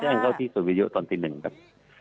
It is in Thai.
แล้วแจ้งเข้าที่ศูนย์วิดีโอตอนตีหนึ่งครับ